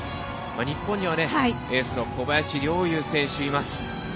日本には、エースの小林陵侑選手がいます。